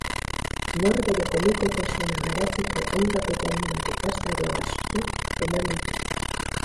Norbere komikotasuna garatzeko hainbat eta hainbat ikastaro asko eman ditu.